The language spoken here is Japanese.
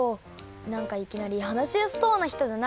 なんかいきなりはなしやすそうなひとだな。